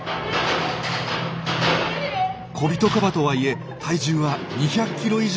コビトカバとはいえ体重は２００キロ以上。